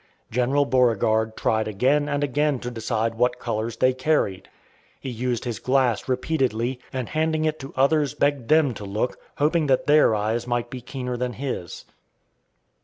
General Beauregard tried again and again to decide what colors they carried. He used his glass repeatedly, and handing it to others begged them to look, hoping that their eyes might be keener than his.